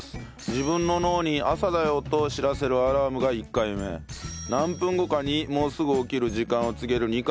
自分の脳に「朝だよ」と知らせるアラームが１回目何分後かにもうすぐ起きる時間を告げる２回目のアラーム。